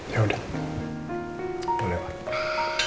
ya udah boleh pak